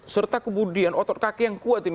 serta kemudian otot kaki yang kuat ini